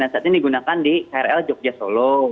dan saat ini digunakan di krl jogja solo